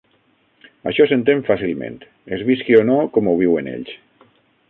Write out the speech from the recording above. Això s'entén fàcilment, es visqui o no com ho viuen ells.